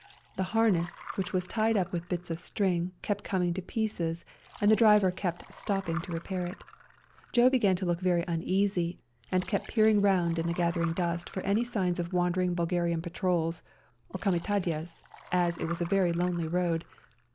The harness, which was tied up with bits of string, kept coming to pieces, and the driver kept stopping to repair it. Joe began to look very uneasy, and kept peering round in the gathering dusk for any signs of wander ing Bulgarian patrols, or comitadjes, as it was a very lonely road.